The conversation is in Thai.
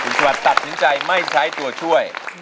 คุณสวัสดิ์ตัดสินใจไม่ใช้ตัวช่วย